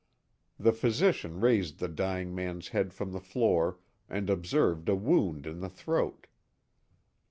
The physician raised the dying man's head from the floor and observed a wound in the throat.